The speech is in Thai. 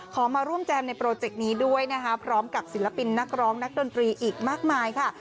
มาร่วมแจมในโปรเจกต์นี้ด้วยนะคะพร้อมกับศิลปินนักร้องนักดนตรีอีกมากมายค่ะ